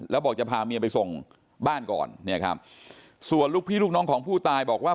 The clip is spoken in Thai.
แล้วบอกจะพาเมียไปส่งบ้านก่อนเนี่ยครับส่วนลูกพี่ลูกน้องของผู้ตายบอกว่า